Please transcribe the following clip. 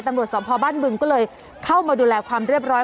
ตำรวจสอบพอบ้านบึงก็เลยเข้ามาดูแลความเรียบร้อย